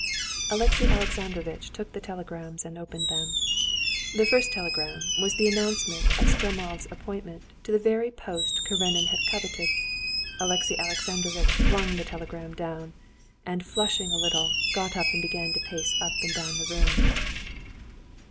Alexey Alexandrovitch took the telegrams and opened them. The first telegram was the announcement of Stremov's appointment to the very post Karenin had coveted. Alexey Alexandrovitch flung the telegram down, and flushing a little, got up and began to pace up and down the room.